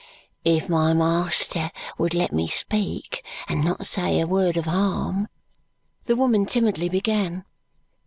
"If my master would let me speak, and not say a word of harm " the woman timidly began.